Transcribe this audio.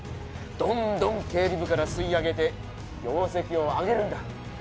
どんどん経理部から吸い上げて業績を上げるんだ！